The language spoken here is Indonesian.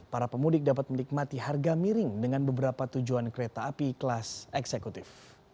para pemudik dapat menikmati harga miring dengan beberapa tujuan kereta api kelas eksekutif